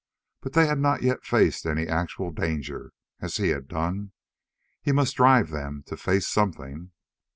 But they had not yet faced any actual danger, as he had done. He must drive them to face something....